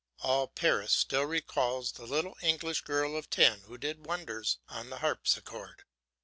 All Paris still recalls the little English girl of ten who did wonders on the harpsichord.